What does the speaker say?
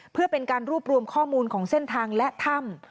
เพื่อเป็นการรวบรวมข้อมูลของเส้นทางและถ้ำ